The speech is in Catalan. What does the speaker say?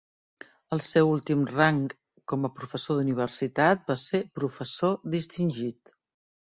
El seu últim rang com a professor d'universitat va ser Professor Distingit.